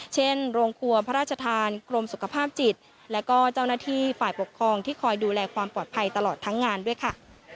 เช่นโรงครัวพระราชทานกรมสุขภาพจิตและก็เจ้าหน้าที่ฝ่ายปกครองที่คอยดูแลความปลอดภัยตลอดทั้งงานด้วยค่ะ